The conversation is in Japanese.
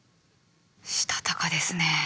したたかですね。